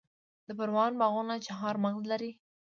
د پروان باغونه چهارمغز لري.